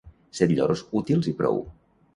Set lloros útils i prou.